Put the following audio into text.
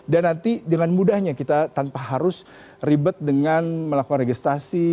dan nanti dengan mudahnya kita tanpa harus ribet dengan melakukan registrasi